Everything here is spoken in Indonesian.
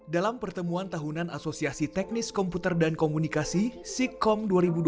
dalam pertemuan tahunan asosiasi teknis komputer dan komunikasi sikom dua ribu dua puluh